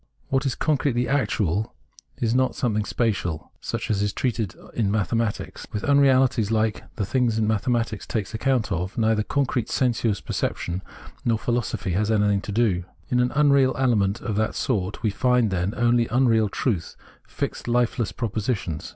What is concretely actual is not something spatial, such as is treated of in mathematics. With unieahties like the things mathematics takes account of, neither concrete sensuous perception nor philosophy has anything to do. In an unreal ele ment of that sort we find, then, only unreal truth, fixed lifeless propositions.